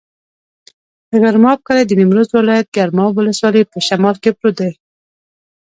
د ګرماب کلی د نیمروز ولایت، ګرماب ولسوالي په شمال کې پروت دی.